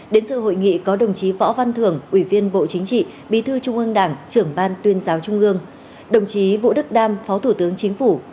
đến sự hội nghị có đồng chí võ văn thưởng ủy viên bộ chính trị bí thư trung ương đảng trưởng ban tuyên giáo trung ương đồng chí vũ đức đam phó thủ tướng chính phủ